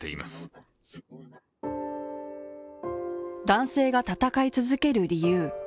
男性が戦い続ける理由